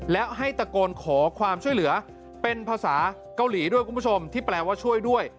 และให้ตะโกนขอความช่วยเหลือเป็นภาษาเกาหลีด้วยคุณผู้ชมที่แปลว่าช่วยด้วย